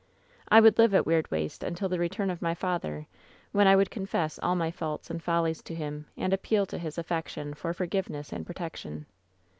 "I would live at Weirdwaste until the return of my father, when I would confess all my faults and follies to him, and appeal to his affection for forgiveness and protection.